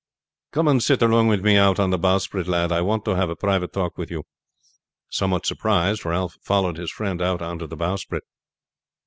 "Come and sit along with me out on the bowsprit, lad, I want to have a private talk with you." Somewhat surprised Ralph followed his friend out on to the bowsprit.